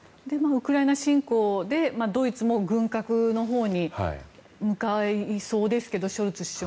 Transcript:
ウクライナ侵攻でドイツも軍拡のほうに向かいそうですけどショルツ首相。